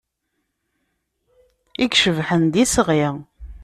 I icebḥen, d isɣi.